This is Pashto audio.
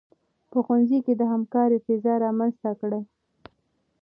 په ښوونځي کې د همکارۍ فضا رامنځته کړئ.